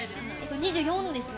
２４ですね。